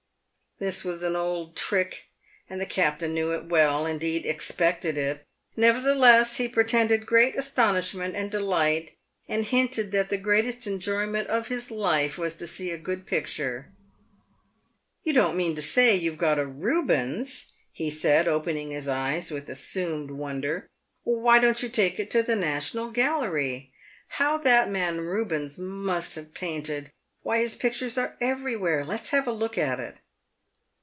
This was an old trick, and the captain knew it well — indeed, expected it. Nevertheless, he pretended great astonishment and de light, and hinted that the greatest enjoyment of his life was to see a good picture. "You don't mean to say you've got a Rubens?" he said, opening his eyes with assumed wonder. " Why don't you take it to the National Gallery ? How that man Eubens must have painted ! Why, his pictures are everywhere. Let's have a look at it."